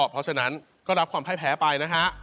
พอฉะนั้นก็ดับความแพ้ไปนะฮะ